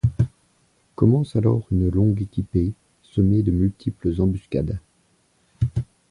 Commence alors une longue équipée, semée de multiples embuscades.